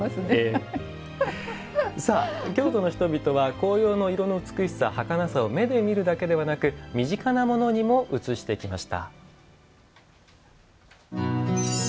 京都の人々は紅葉の色の美しさはかなさを目で見るだけではなく身近なものにも映してきました。